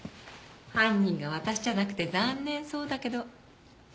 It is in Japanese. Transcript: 犯人が私じゃなくて残念そうだけど。